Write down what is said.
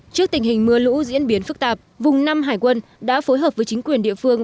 trước tình hình mưa lũ diễn biến phức tạp vùng năm hải quân đã phối hợp với chính quyền địa phương